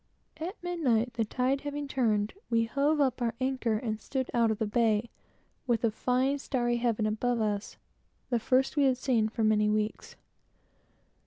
At midnight, the tide having turned, we hove up our anchor and stood out of the bay, with a fine starry heaven above us, the first we had seen for weeks and weeks.